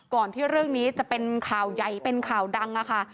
ที่เรื่องนี้จะเป็นข่าวใหญ่เป็นข่าวดังอะค่ะ